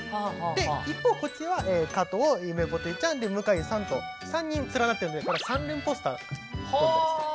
で一方こっちは加藤ゆめぽてちゃん向井さんと３人連なっているのでこれは３連ポスターと呼んだりすると。